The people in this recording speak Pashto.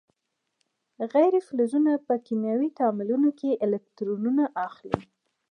غیر فلزونه په کیمیاوي تعاملونو کې الکترونونه اخلي.